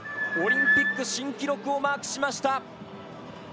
オリンピック新記録をマークしました。